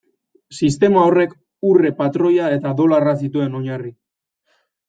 Sistema horrek urre-patroia eta dolarra zituen oinarri.